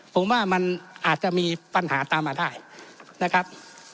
ผมว่ามันอาจจะมีปัญหาตามมาได้นะครับ